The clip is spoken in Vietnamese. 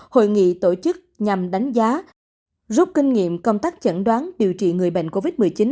hội nghị tổ chức nhằm đánh giá rút kinh nghiệm công tác chẩn đoán điều trị người bệnh covid một mươi chín